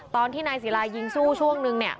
ตอนที่นายศิลายิงสู้ช่วงนึงเนี่ย